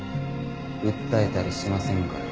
訴えたりしませんから。